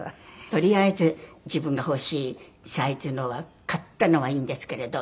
とりあえず自分が欲しいサイズのは買ったのはいいんですけれど。